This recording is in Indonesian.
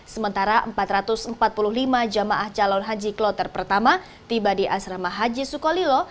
sementara empat ratus empat puluh lima jemaah calon haji kloter pertama tiba di asrama haji sukolilo